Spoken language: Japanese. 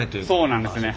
そうなんですね。